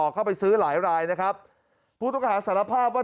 เข้าไปซื้อหลายรายนะครับผู้ต้องหาสารภาพว่า